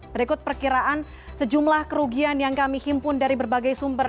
berikut perkiraan sejumlah kerugian yang kami himpun dari berbagai sumber